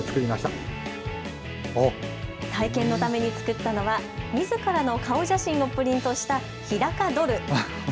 体験のために作ったのはみずからの顔写真をプリントした日高ドル。